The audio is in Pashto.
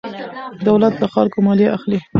دولت له خلکو مالیه اخلي.